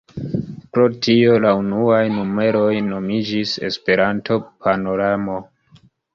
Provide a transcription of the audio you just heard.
Pro tio la unuaj numeroj nomiĝis "Esperanto-Panoramo".